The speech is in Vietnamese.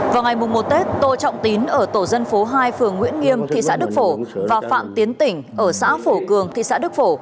vào ngày một tết tô trọng tín ở tổ dân phố hai phường nguyễn nghiêm thị xã đức phổ và phạm tiến tỉnh ở xã phổ cường thị xã đức phổ